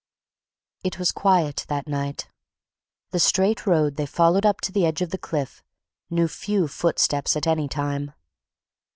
It was quiet that night—the straight road they followed up to the edge of the cliff knew few footsteps at any time.